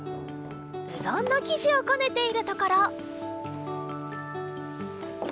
うどんのきじをこねているところ。